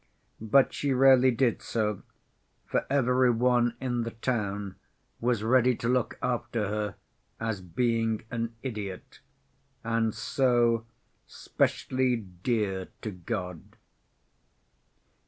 But she rarely did so, for every one in the town was ready to look after her as being an idiot, and so specially dear to God.